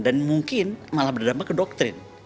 dan mungkin malah berdampak ke doktrin